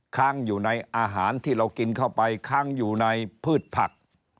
ค้างอยู่ในอาหารที่เรากินเข้าไปค้างอยู่ในพืชผัก